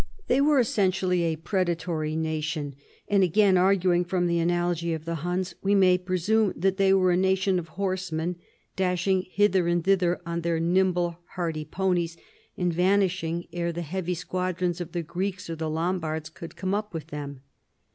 They were (essentially a |)rcdatory nation, and (again arguing from the analogy of the Iluns) we may presume that they were a nation of horsemen, dashing hither and "^ thither on their nimble and hardy ponies, and vanish ing ere the heavy squadrons of the Greeks or the Lombards could come up with them.